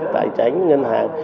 tài tránh ngân hàng